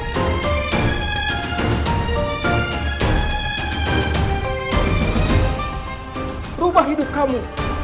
berubah hidup kamu